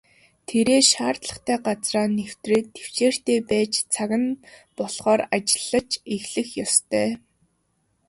Тэрээр шаардлагатай газраа нэвтрээд тэвчээртэй байж цаг нь болохоор ажиллаж эхлэх ёстой.